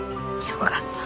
よかった。